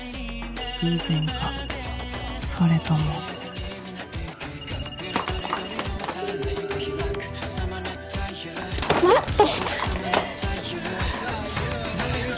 偶然かそれとも待って！